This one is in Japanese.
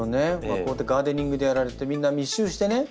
こうやってガーデニングでやられてみんな密集してね。